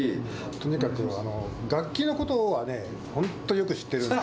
とにかく楽器のことはね、本当によく知ってるんです。